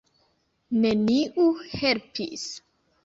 Neniu helpis.